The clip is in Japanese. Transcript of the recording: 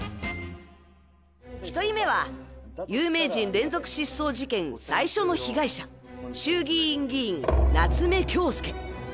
１人目は、有名人連続失踪事件最初の被害者、衆議院議員、夏目恭輔。